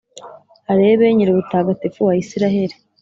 arebe Nyirubutagatifu wa Israheli.